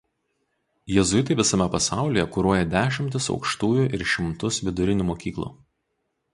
Jėzuitai visame pasaulyje kuruoja dešimtis aukštųjų ir šimtus vidurinių mokyklų.